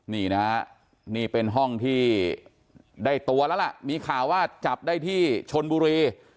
นี่นะฮะนี่เป็นห้องที่ได้ตัวแล้วล่ะมีข่าวว่าจับได้ที่ชนบุรี